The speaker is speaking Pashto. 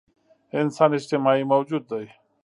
انسان اجتماعي موجود دی.